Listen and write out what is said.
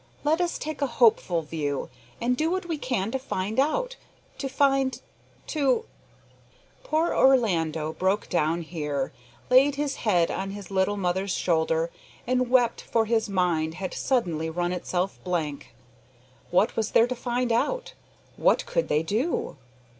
Let us take a hopeful view, and do what we can to find out to find to " Poor Orlando broke down here, laid his head on his little mother's shoulder, and wept for his mind had suddenly run itself blank. What was there to find out? what could they do?